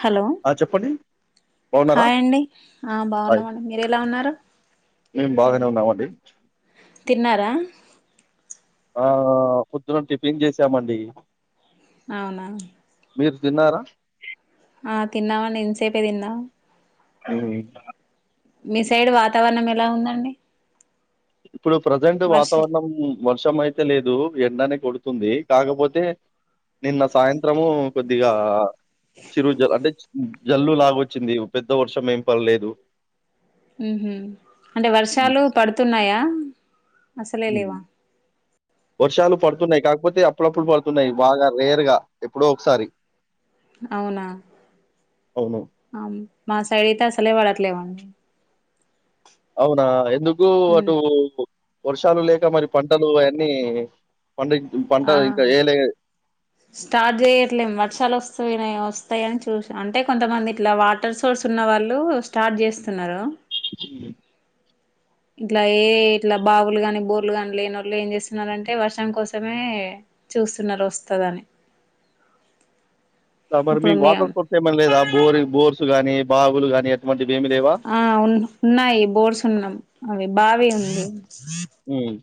Hello ఆ చెప్పండి బాగున్నారా హాయ్ అండి ఆ హాయ్ బాగున్నామండి మీరు ఎలా ఉన్నారు మేము బాగానే ఉన్నామండి తిన్నారా ఆ పొద్దున టిఫిన్ చేసామండి అవునా మీరు తిన్నారా ఆ తిన్నావండి ఇంతసేపే తిన్నా హ్మ్ మీ సైడ్ వాతావరణం ఎలా ఉందండి ఇప్పుడు ప్రజెంట్ వర్ష వాతావరణం వర్ష ర్షం అయితే లేదు ఎండనే కొడుతుంది కాకపోతే నిన్న సాయంత్రము కొద్దిగా చిరు జల్ అంటే జల్లు లాగొచ్చింది పెద్ద వర్షం ఏం పడలేదు ఉహు అంటే వర్షాలు పడుతున్నాయా అసలే లేవా వర్షాలు పడుతున్నాయి కాకపోతే అప్పుడప్పుడు పడుతున్నాయి బాగా రేర్ గా ఎప్పుడో ఒకసారి అవునా అవును ఆమ్ మా సైడ్ అయితే అసలే వాడట్లేవండి అవునా ఎందుకు అటు వర్షాలు లేక మరి పంటలు అయన్నీ పండి పంట పంట ఆ ఇంకా ఏయ్యాలే స్టార్ట్ చేయట్లేం వర్షాలు వస్తా వస్తాయని చూసి అంటే కొంతమంది ఇట్లా వాటర్ సో సోర్స్ ఉన్న వాళ్ళు స్టార్ట్ చేస్తున్నారు హ ఇట్లా ఏ ఇట్లా బావులు గాని బోర్లు కానీ లేనోళ్లు ఏం చేస్తున్నారంటే వర్షం కోసమే చూస్తున్నారు వస్తదని మరి ఇప్పుడు మీకు మే వాటర్ సోర్స్ ఏమైనా లేదా బోర్ బోర్స్ గానీ బావూలు గాని ఆ ఉ ఉన్నాయి బోర్స్ ఉన్నాం అవి బావి ఉంది హ్మ్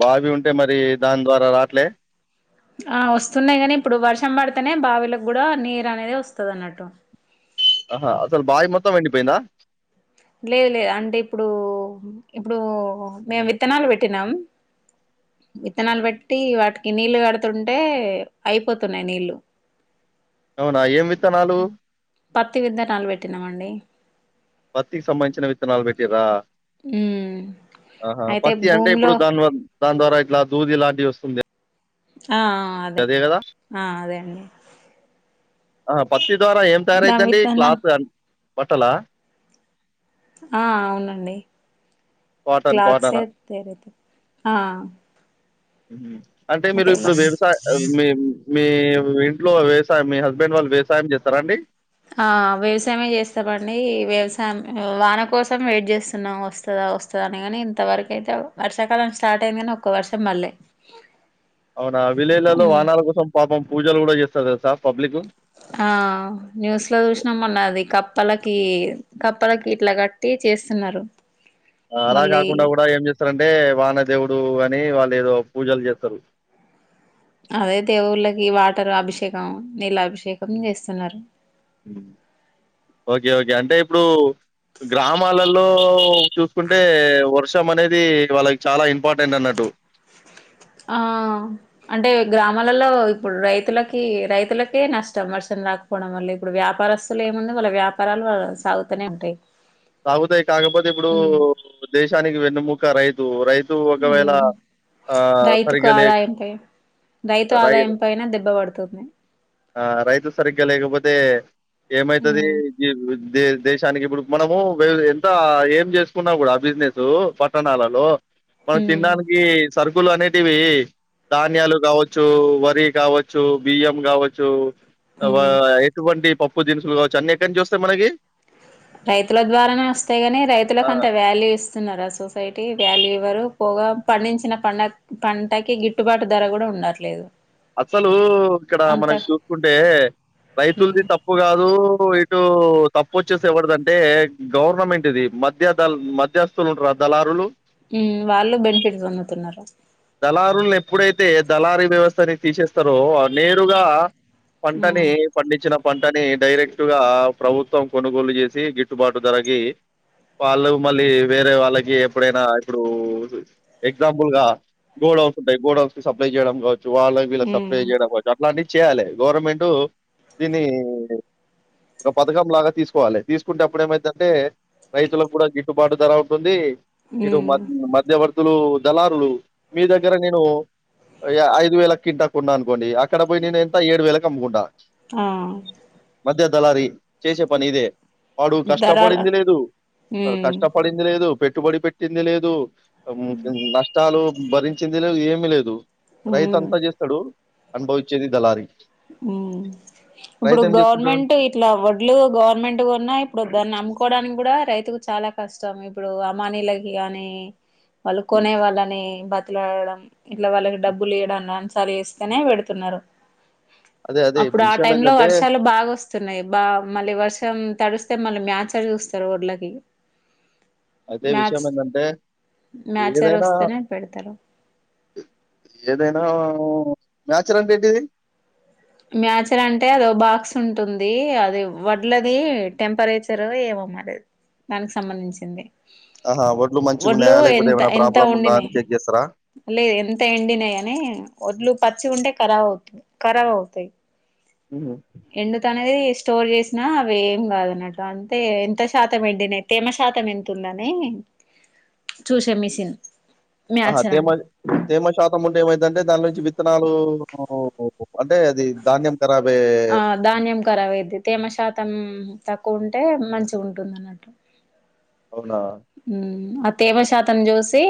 బావి ఉంటే మరి దాని ద్వారా రాట్లే ఆ వస్తున్నాయి గని ఇప్పుడు వర్షం పడితేనే బావిలకు కూడా నీరు అనేది వస్తది అన్నట్టు ఆహా అసలు బాయి మొత్తం ఎండి పోయిందా లేదు లేదు అంటే ఇప్పుడు ఇప్పుడు మేము విత్తనాలు పెట్టినాం విత్తనాలు బేట్టి వాటికి నీళ్ళు కడుతుంటే అయిపోతున్నాయి నీళ్ళు అవునా ఏం వి పత్తి విత్తనాలు పెట్టినమండి పత్తికి సంబంధించిన విత్తనాలులు పెట్టిరా ఉమ్ ఆహా అయితే పత్తి అంటే భూమిలో ఇప్పుడు దాన్ దాని ద్వారా రా దూది ఇలాంటివి వస్తుంది ఆ ఆ అదే ఆ అదే అండి ఆ పత్తి ద్వారా ఏం దాని తయారైతుంది విత్తనం క్లాత్ బట్టల ఆ అవునండి కాటన్ క్లాథ్ ఏ కాటనా తయారవుతాయి ఆ అంటే మీరు అయితే వ ఇప్పుడు వ్యవసాయ్ ఆ మీ మీ ఇంట్లో వ్యవసాయం మీ హస్బెండ్ వాళ్ళు వ్యవసాయం చేస్తారండి ఆ వ్యవసాయమే చేస్తామండి వ్యవసాయం వాన కోసం వెయిట్ చేస్తున్నాం వస్తదా వస్తదని కాని ఇంతవరక అయితే వర్షాకాలం స్టార్ట్ అయింది కానీ ఒక్క వర్షం పల్లే అవునా విలేజ్లలో వానాల కోసం పాపం పూజలు కూడా చేస్తారు తెలుసా పబ్లిక్ ఆ న్యూస్ లో చూసినమ్ మొన్న అది కప్పలక్ కి కప్పలకి ఇట్లా కట్టి చేస్తున్నారు ఆ అలా మళ్ళీ కాకుండా కూడా ఏం చేస్ స్తారంటే వానదేవుడు అని వాళ్ళు ఏదో పూజలు చేస్తారు అదే దేవుళ్ళకి వాటరు అభిషేకం నీళ్ళ అభిషేకం చేస్తున్నారు హ్మ్. ఓకే లో చూసుకుంటే వర్ వర్షం అనేది వాళ్ళకి చాలా ఇంపార్టెంట్ అన్నట్టు ఆ అంటే గ్రామాలలో ఇప్పుడు రైతులకి రైతులకే నష్టం వర్షం రాకపోవడం వల్ల ఇప్పుడు వ్యాపారస్తులు ఏముంది వాళ్ళ వ్యాపారాలు సాగుతనే ఉంటాయి సాగుతాయి కాకపోతే ఇప్పుడు దేశానికి వెన్నుముక్క రైతు రైత్ సో ఒకవేళ మ్మ్ ఆ రైతుకు సరిగా లేక్ ఆదాయంపై రైతు ఆదాయం పైన దెబ్బ పడుతుంది ఆ రైతు సరిగ్గా లేకపోతే ఏమైతది దే దేశానికి ఇప్పుడు మనము మా ఎంత ఏం చేసుకున్నా కూడా బిజినెస్ పట్టణాలలో మనకి మ్మ్ తినడానికి సరుకులు అనేటివి ధాన్యాలు కావచ్చు వరి కావచ్చు బియ్యం కావచ్చు వ ఎటువంటి పప్పు దినుసులు కావచ్చు అన్నీ ఎక్కడి నుంచి వస్తాయి మనకి రైతుల ద్వారానే వస్తాయి గాని ఆ రైతులకు అంత వాల్యూ ఇస్తున్నారా సొసైటీ వ్యాలవరు పోగా పండించిన పంట పంటకి గిట్టుబాటు ధర కూడా ఉండట్లేదు అసలు ఇక్కడ అంత మనం చూసుకుంటే మ్మ్ రైతులుది తప్పు కాదు ఇటు తప్పు వచ్చేసి ఎవరిదంటే గవర్నమెంట్ది మధ్య ద మధ్యస్థులు ఉంటారు ఆ దళారులు ఉమ్ వాళ్ళు బెనిఫిట్ పొందుతున్నారు దళారులను ఎప్పుడైతే దళారీ వ్యవస్థని తీసేస్తారో నేరుగా మ్మ్ పంటని పండించిన పంటని డైరెక్ట్గా ప్రభుత్వం కొనుగోలు చేసి గిట్టుబాటు ధరకి వాళ్ళకు మళ్ళీ వేరే వాళ్ళకి ఎప్పుడైనా ఇప్పుడు ఎగ్జాంపుల్గా గోడ్ హౌస్ ఉంటయి గోడౌస్ కి సప్లై చేయడం కావచ్చు వాళకు వీళ్ళకి సప్లై ఉమ్ చేయడం కావచ్చు అట్లాంటి చేయ్యాలే గవర్నమెంటట్ దీన్ని ఒక పథకం లాగా తీసుకోవాలి తీసుకుంటే అప్పుడు ఏమైతదంటే రైతులకు కూడా గిట్టుబాటు ధర అవుతుంది ఇటు మ్య ఉమ్ మధ్యవర్తులు దళారులు మీ దగ్గర నేను యా ఐదు వేల కింటకొన్నాను అనుకోండి అక్కడ పోయి నేను ఎంత ఏడు వేలకి కమ్ముకుంట ఆ దలారి చేసే పని ఇదే వాడు ధరాల కష్టపడింది లేదు ఆ ఉమ్ కష్టపడింది లేదు పెట్ పెట్టుబడి పెట్టింది లేదు ఉమ్ హా నష్టాలు భరించింది లేదు ఏమి లేదు రైతు ఉమ్ అంతా చేస్తడు అనుభవచ్చేది దళారి ఉమ్ ఇప్పుడు రైతు ఏం చేసుకుంటాడు? గవర్నమెంట్ ఇట్లా వడ్లు గవర్నమెంట్ కోన్నా ఇప్పుడు దాన్ని నమ్ముకోవడానికి కూడా రైతుకు చాలా కష్టం ఇప్పుడు అమానీలకి కాని వాళ్ళు హ్మ్. కొనే వాళ్ళని బతులుడడం ఇట్లా వాళ్ళకి డబ్బులు ఇయడంసలాస్తేనే పెడుతున్నారు అదే అదే అప్పుడు ఆ విషయం టైంలో ఏందంటే వర్షాలు బాగా వస్తున్నాయి బా మళ్ళీ వర్షం తడుస్తే మళ్ళీ మ్యాచర్ చూస్తరు వడ్ళకి అదే విషయం ఏంటంటే మ్యాచర్ ఏదైనా వస్తేనే పెడతారు ఏదైనా మ్యాచర్ అంటేంటిది మ్యాచర్ అంటే అదోబాక్స్ ఉంటుంది అది వడ్లది టెంపరేచర్ ఏమ ఉమ్మటెత్ దానికి సంబంధించింది ఆహ ఒడ్లు మంచిగా వడ్లు ఉన్నాయా లేకపోతే ఎంత ఏమైనా ఎంత ప్రాబ్లమ్ ఉందా వండినాయి అని చెక్ చేస్తరా లేదు ఎంత ఎండినయని వడ్లు పచ్చి ఉంటే ఖరాబ్ అవుతుంది ఖరాబవుతయి ఉహు ఎందుకనేది స్టోర్ చేసినా అవి ఏం కాదు అన్నట్టు అంటే ఎంత శాతం వెంటినేయి తేమాం పాతం ఎంతుందని చూసాం మిషన్ ఆహా మ్యాచర్ తేమ అంట తేమ శాతం ఉంటే ఏమైతుంటే దాని నుంచి విత్తనాలు అంటే అది ధాన్యం రాబే ఆ ధాన్యం ఖరాబ్ అయిద్ది తేమ శాతం తక్కువ ఉంటే మంచిగుంటుంది అన్నట్టు అవునా హ్మ్ ఆ తేమ శాతం చూసి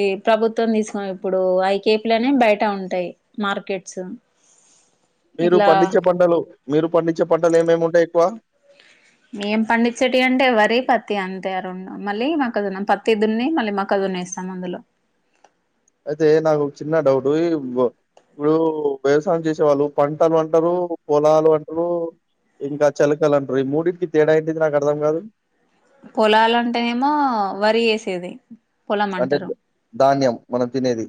ఈ ప్రభుత్వం తీసుకు ఇప్పుడు ఐకేపీలోనే బయట ఉం టై మార్కెట్స్ మీరు ఇట్లా పండించే పంటలు మీరు పండించే పంటలు ఏమేమి ఉంటయి ఎక్కువ మేం పండించేటీవీ అంటే వరి పత్తి అంతే ఆ రెండు మళ్ళీ మాకు పత్తి దున్ని మళ్ళీ మక్క దున్నే సమందులు అయితే నాకు చిన్న డౌట్ ఈ ఇప్పుడు వ్యవసాయం చేసేవాళ్ళు పంటలు అంటారు పొలాలు అంటరు ఇంకా చలకలు అంటరు ఈ మూడింటికి తేడా ఏంటి నాకు అర్థం కాదు పొలలు అంటేనేమో వరి ఎసేది అంటే ధాన్యం మనం తినేది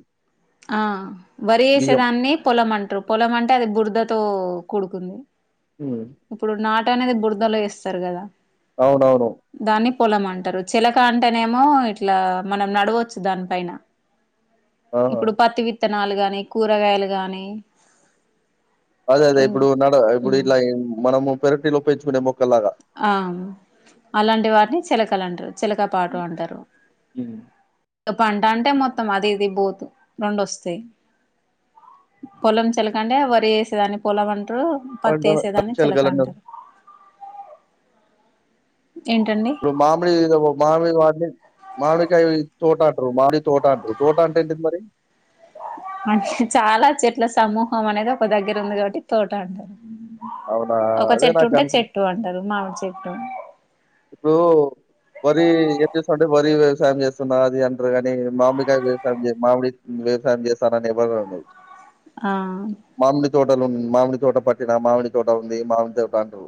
ఆ వరి బియ్యం. వేసేదాన్ని పొలం అంటరు పొలం అంటే అది బురదతో కూడుకుంది హ్మ్. ఇప్పుడు నాటనేది బురదలో వేస్తారు కదా అవునవును దాన్ని పొలం అంటారు చేలక అంటేనేమో ఇట్లా మనం నడవచ్చు దాని పైన ఆహా! ఇప్పుడు పత్తి విత్తనాలు గానీ కూరగాయలు గానీ అదే అదే ఇప్పుడు నడ ఇప్పుడు ఇట్లా మనము పెరటిలో పెంచుకునే మొక్కల్లాగా ఆ అలాంటి వటిని చేలకలంటరు చేలక పాటు అంటరు హ్మ్. ఇక పంట అంటే మొత్తం అది ఇది బోత్ రెండొస్తయి పొలం చిలక అంటే వరి వేసేదాన్ని పొలం అం ట్ర పత్తి పంటల వేసేదాన్ని చిలక చిలకలంటారు అంటారు ఏంటండి ఇప్పుడు మామిడి మామీ వాటి మామిడికాయ తోటాంట్రారు మామిడి తోట అంట్రు తోట అంటేంటింది మరి అంట చాలా చెట్ల సమూహం అనేది ఒక దగ్గర ఉంది కాబట్టి తోట అంటరు అవునా ఒక అదే చెట్టు నాకు ఉంటే అను చెట్టు అంటరు మామి చెట్టు ఇప్పుడు వరి ఏం చేస్తుంటే వరి వ్యవసాయం చేస్తున్నా అది అంటారు కానీ మామిడికాయ వ్యవసాయం చే మామిడి వ్యవసాయం చేస్తానని ఎవరు అన్నారు ఆ తోటలు మామిడి తోట పట్టిన మామిడి తోట ఉంది మామిడి తోట అంటారు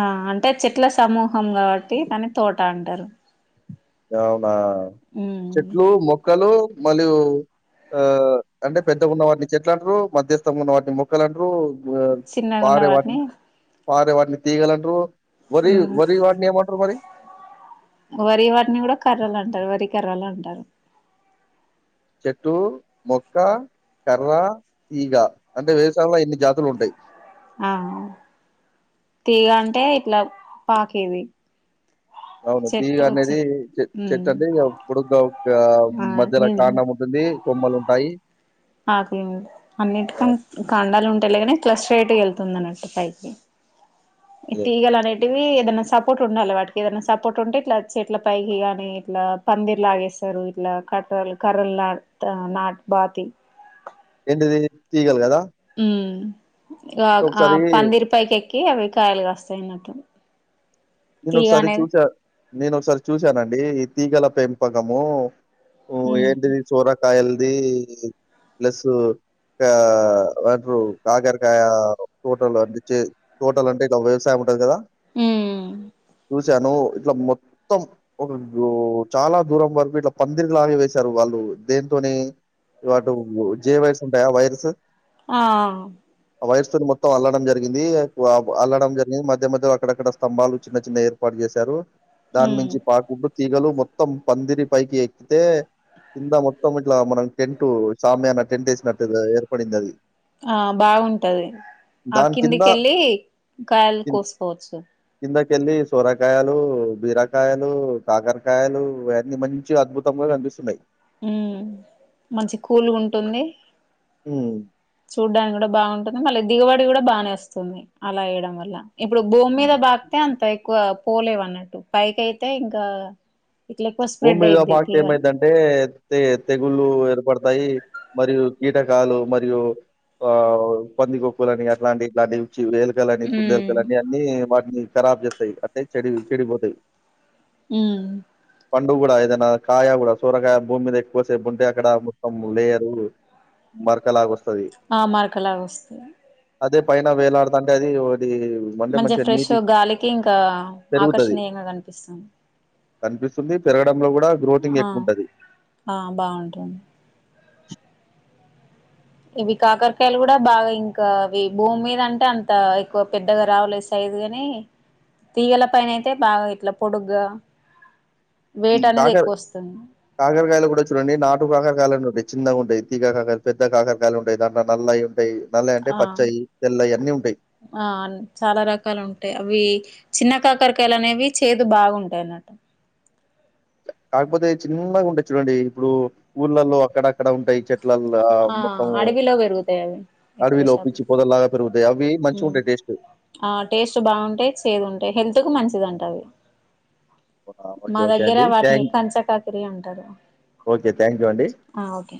ఆ అంటే చెట్ల సమూహం కాబట్టి దాని తోట అంటారు అవునా ఉమ్ చెట్లు మొక్కలు మరియు ఆ అంటే పెద్దగా ఉన్న వాటిని చెట్లు అంటారు మధ్యస్థంగా ఉన్న వాటిని మొక్కలంటారు చిన్నగా ఉన్న వాటిని వారే వాటిని తీయగలంటారు వరి వరి వాటిని ఏమంటారు మరి వరి వాటిని కూడా కర్రలు అంటారు వరి కర్రలు అంటారు చెట్టు మొక్క కర్ర తీగా అంటే వేేశాలలో ఇన్ని జాతులు ఉంటాయి ఆ తీగ అంటే ఇట్లా పాకేది అవును తీగ చెట్టు వచ్చి అనేది చె చెట్టు అండి పోడుగా వుం ఆ మధ్యలో కాండం ఉంటుంది కొమ్మలు ఉంటాయి అకులు ఉంటాయి ఆ, అన్నింటికీ ఉంటా కాడాలు ఉంటాయి లేగానే ఇట్లా స్ట్రెయిట్ వెళ్తుంది అన్నట్టు పైకి ఈ అదే తీగలు అనేటివి ఏదన్నా సపోర్ట్ ఉండాలి వాటికి ఏదైనా సపోర్ట్ ఉంటే ఇట్లా చెట్ల పైకి గాని ఇట్లా పందిర్ లాగేస్తారు ఇట్లా క కర్రల్ కర్రలు లాగా నాట్ పాతి ఏంటిది తీగలు కదా ఉమ్ ఆ నేను ఆ ఒకసారి పందిరి పైకేకి కి అవి కాయలు కస్తాయి అన్నట్టు నేను తీగ ఒకసారి అనేది చూసా నేను ఒకసారి చూసానండి. ఈ తీగల పెంపకము ఉమ్ ఏంటిది చోరకాయలది ప్లస్ అంట కాకరకాయ తోటలు అ తోటలు అంటే ఇ వ్యవసాయం ఉంటది కదా. ఉమ్ చ్చాను ఇట్లా మొత్తం ఒక చాలా దూరం వరకు ఇట్లా పందిరి లాగ వేసారు వాళ్ళు. దేంతోని వాటు జియో వైర్స్ ఉంటాయా ఆ వైర్స్ ఆ వైర్స్‌తోని మొత్తం అల్లడం జరిగింది అల్లడం జరిగింది. మధ్య మధ్య అక్కడక్కడ స్తంభాలు చిన్న చిన్న ఏర్పాటు చేశారు దాని ఉమ్ నుంచి పాకుంటూ తీగలు మొత్తం పందిరి పైకి ఎక్కితే కింద మొత్తం ఇట్లా మనం టెంట్ షామియాన టెంట్ వేసినట్టు ఏర్పడింది అది. ఆ బాగుంటది ఆ దాని కింద కిందికిళ్ళి కాయలు కిం కోసుకోవచ్చు కిందకెళ్ళి సోరకాయలు, బీరకాయలు, కాకరకాయలు ఇవన్నీ మంచి అద్భుతంగా కనిపిస్తున్నాయి ఉమ్ మంచి కూల్ గా ఉంటుంది. ఉమ్ చూడ్డానికి కూడా బాగుంటుంది. మళ్ళీ దిగబడి కూడా బాగానే వస్తుంది అలా వేయడం వల్ల. ఇప్పుడు భూమి మీద హ్మ్. బాకితే అంత ఎక్కువ పోలేవు అన్నట్టు పైకి అయితే ఇంకా. ఇట్లా ఎక్కువ భూమి స్ప్రెడ్ మీద అయిద్ది పాకితే తీగలు ఏమయ్యింది అంటే తెగుళ్ళ ఏర్పడతాయి. మరియు కీటకాలు మరియు ఆ పంది కొక్కు లని అట్లాంటివి ఇట్లాంటివి వ ఎలుకలని, ఉమ్ కుందేలుకలని అన్నీ వాటిని ఖరాబ్ చేస్తాయి. అంటే చెడి పోతాయి. మ్ పండుగ కూడా ఏదైనా కాయ కూడా సోరకాయ భూమి మీద ఎక్కువసేపు ఉంటే అక్కడ మొత్తం లేయరు. మరకలాగస్తుంది. ఆ మరకలాగ వస్తుంది. అదే పైన వేలాడుతుంటే అది అంటే మంచిగా ఫ్రెష్ నీటి గాలికి ఇంకా పెరుగుతది. ఆకర్షణీయంగా కనిపిస్తుంది. కనిపిస్తుంది. పెరగడంలో కూడా గ్రోతింగ్ ఆ ఎక్కువఉంటాది. ఆ బాగుంటుంది ఇవి కాకరకాయలు కూడా బాగా ఇంకా భూమి మీద అంటే అంత ఎక్కువ పెద్దగా రావులేసైజ్. లేదు కాని తీగల పైన అయితే బాగా ఇట్లా పొడుగ్గా వెయిట్ అనేది ఎక్కువ వస్తుంది కాకరకాయల్లో కూడా చూడండి. నాటు కాకరకాయలుని పచ్చు చిన్నగా ఉంటాయి. తీగ కాకర పెద్ద కాకరకాయలుంటాయి. దాంట్లో నల్లవి ఉంటాయి. నల్లయి అంటే ఆ పచ్చయి, తెల్లయి అన్నీ ఉంటాయి. చాలా రకాలు ఉంటాయి. అవి చిన్న కాకరకాయలు అనేవి చేదు బాగుంటాయి అన్నట్టు. కాకపోతే చిన్నగా ఉంటాయి చూడండి. ఇప్పుడు ఊర్లలో అక్కడ అక్కడ ఉంటాయి. మళ్ళా ఆ మొత్తం అడవిలో పెరుగుతాయి అవి ఎక్కువ అడవిలో శాతం పిచ్చి పొదల్లాగా పెరుగుతాయి అవి మంచిగ ఉమ్. ఉంటాయి టేస్ట్. ఆ టేస్ట్ బాగుంటాయి. చేదు ఉంటాయి. హెల్త్ కు మంచిదింట అవి. ఓకే. మా ఓకే దగ్గర అండి. వాటిని థ్యాంక్ కంచా కాకిరీ అంటారు. ఓకే థ్యాంక్ యూ అండి. ఆ ఓకే